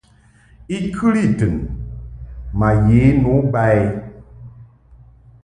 I kɨli tɨn ma ye nu ba i.